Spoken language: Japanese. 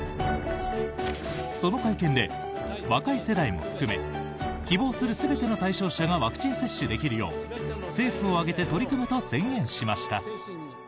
その会見で、若い世代も含め希望する全ての対象者がワクチン接種できるよう政府を挙げて取り組むと宣言しました。